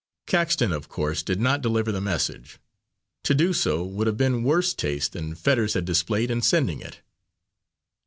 Caxton, of course, did not deliver the message. To do so would have been worse taste than Fetters had displayed in sending it.